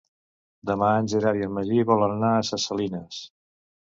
Demà en Gerard i en Magí volen anar a Ses Salines.